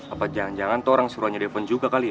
apa jangan jangan tuh orang suruhnya depan juga kali ya